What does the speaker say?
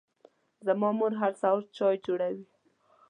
زما مور هر سهار چای جوړوي.